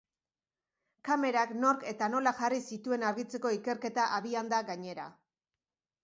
Kamerak nork eta nola jarri zituen argitzeko ikerketa abian da, gainera.